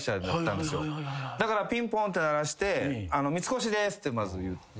だからピンポンって鳴らして三越です！ってまず言って。